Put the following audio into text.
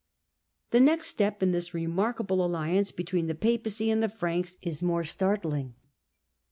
The next step in this remarkable alliance between the Papacy and the Franks is more startling.